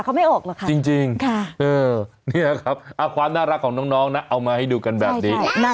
นี่แหละครับความน่ารักของน้องเอามาให้ดูกันแบบนี้